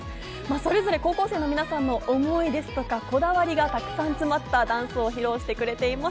それぞれ高校生の皆さんの思いやこだわりがたくさん詰まったダンスを披露してくれています。